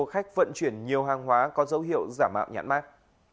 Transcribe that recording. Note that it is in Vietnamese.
xe ô tô khách vận chuyển nhiều hàng hóa có dấu hiệu giả mạo nhãn mát